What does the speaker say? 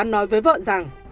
nói với vợ rằng